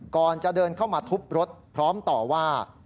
ก่อนจะเดินเข้ามาทุบรถพร้อมต่อว่า